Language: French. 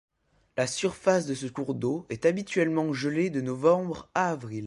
La surface de ce cours d'eau est habituellement gelé de novembre à avril.